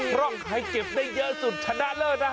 เพราะใครเก็บได้เยอะสุดชนะเลิศนะฮะ